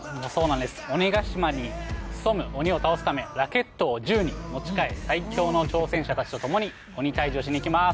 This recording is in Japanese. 鬼ヶ島に潜む鬼を倒すためラケットを銃に持ち替え、最強の仲間とともに鬼退治をしてに行きます。